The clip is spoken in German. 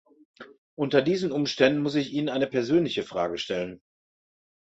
Unter diesen Umständen muss ich Ihnen eine persönliche Frage stellen.